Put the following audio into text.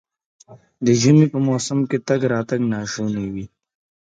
د ژمي په موسم کې تګ راتګ ناشونی وي.